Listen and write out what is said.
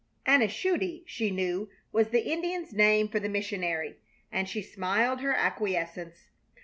"Aneshodi," she knew, was the Indians' name for the missionary, and she smiled her acquiescence.